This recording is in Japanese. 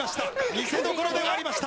見せどころではありました。